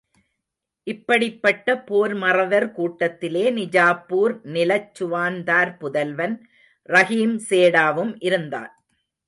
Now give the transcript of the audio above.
இப்படிப்பட்ட போர்மறவர் கூட்டத்திலே, நிஜாப்பூர் நிலச் சுவான்தார் புதல்வன் ரஹீம் சேடாவும் இருந்தான்.